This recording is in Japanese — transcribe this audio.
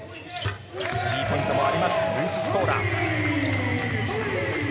スリーポイントもあります、ルイス・スコーラ。